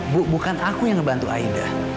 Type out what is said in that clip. bu bukan aku yang ngebantu aida